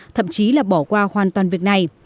thậm chí là bỏ qua hoàn toàn việc này